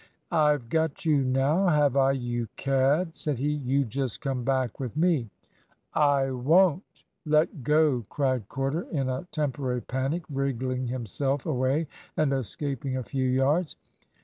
"I've got you now, have I, you cad?" said he. "You just come back with me." "I won't. Let go!" cried Corder, in a temporary panic, wriggling himself away and escaping a few yards.